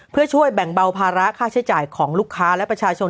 เพื่อช่วยแบ่งเบาภาระค่าใช้จ่ายของลูกค้าและประชาชน